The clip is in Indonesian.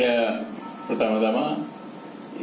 ya pertama tama ya saya ingat betul